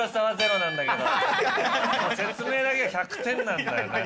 なんだけど説明だけは１００点なんだよな